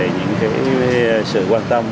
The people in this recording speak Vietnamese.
những sự quan tâm